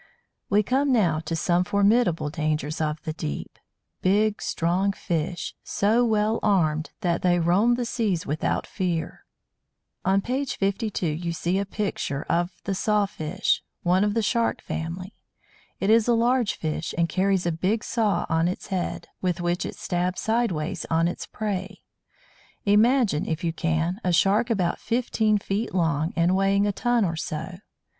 We come now to some formidable dangers of the deep big strong fish, so well armed that they roam the seas without fear. On page 52 you see a picture (No. 2) of the Saw fish, one of the Shark family. It is a large fish, and carries a big saw on its head, with which it stabs sideways at its prey. Imagine, if you can, a Shark about fifteen feet long and weighing a ton or so.